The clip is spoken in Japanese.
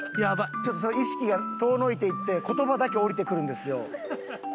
ちょっと意識が遠のいていって言葉だけ降りてくるんですよ。